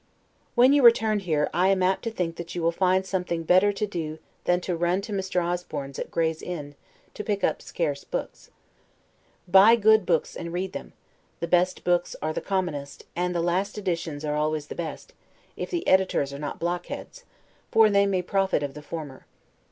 When you return here, I am apt to think that you will find something better to do than to run to Mr. Osborne's at Gray's Inn, to pick up scarce books. Buy good books and read them; the best books are the commonest, and the last editions are always the best, if the editors are not blockheads, for they may profit of the former.